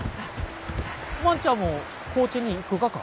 万ちゃんも高知に行くがか？